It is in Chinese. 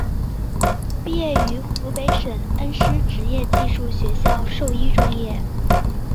毕业于湖北省恩施职业技术学院兽医专业。